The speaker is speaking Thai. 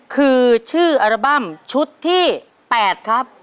คือชื่ออัลบั้มชุดที่๘ครับ